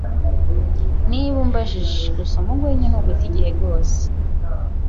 Niba umbajije, gusoma urwenya ni uguta igihe rwose.